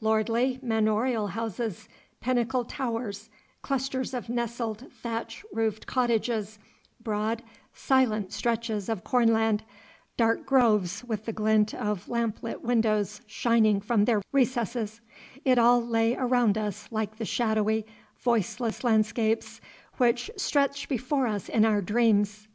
Lordly manorial houses, pinnacled towers, clusters of nestling thatch roofed cottages, broad silent stretches of cornland, dark groves with the glint of lamp lit windows shining from their recesses it all lay around us like the shadowy, voiceless landscapes which stretch before us in our dreams.